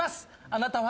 あなたは？